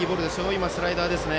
今のはスライダーですね。